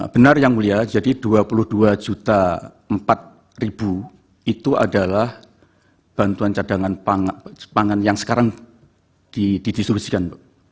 benar yang mulia jadi rp dua puluh dua empat itu adalah bantuan cadangan pangan yang sekarang didistribusikan